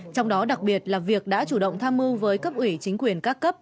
trong đó đặc biệt là việc đã chủ động tham mưu với cấp ủy chính quyền các cấp